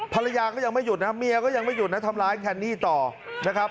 ภรรยาก็ยังไม่หยุดนะเมียก็ยังไม่หยุดนะทำร้ายแคนนี่ต่อนะครับ